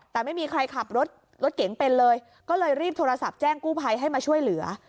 แต่ไม่มีใครขับรถรถเก๋งเป็นเลยก็เลยรีบโทรศัพท์แจ้งกู้ภัยให้มาช่วยเหลือ